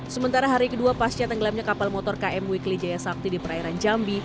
sementara hari kedua pasca tenggelamnya kapal motor km wikli jaya sakti di perairan jambi